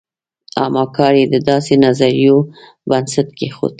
اما کار یې د داسې نظریو بنسټ کېښود.